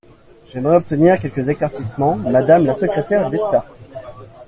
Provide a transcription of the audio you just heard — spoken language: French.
J’aimerais obtenir quelques éclaircissements, madame la secrétaire d’État.